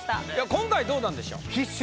今回どうなんでしょう？